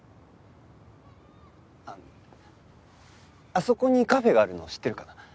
あっあそこにカフェがあるの知ってるかな？